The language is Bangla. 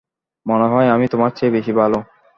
মনে হয় আমি তোমার চেয়ে বেশি ভালো।